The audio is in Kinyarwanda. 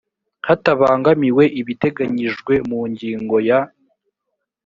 hatabangamiwe ibiteganyijwe mu ngingo ya